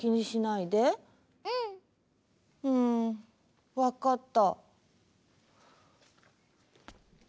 うんわかった。